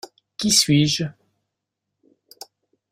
Qui suis-je ?